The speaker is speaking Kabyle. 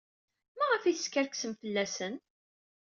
Maɣef ay teskerksem fell-asen?